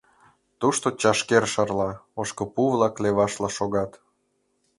Тушто чашкер шарла, ошкыпу-влак левашла шогат.